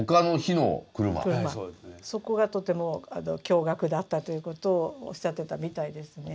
そこがとても驚がくだったという事をおっしゃってたみたいですね。